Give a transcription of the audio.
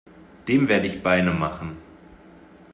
Dem werde ich Beine machen!